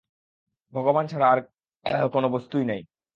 ভগবান ছাড়া আর কোন বস্তুই নাই।